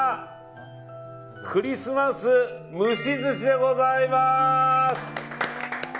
クリスマス蒸し寿司でございます！